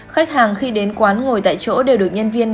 khách hàng khi đến quán ngồi tại chỗ đều được nhân viên